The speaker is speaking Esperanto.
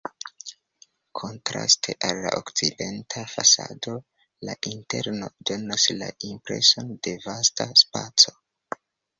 Kontraste al la okcidenta fasado la interno donas la impreson de vasta spaco.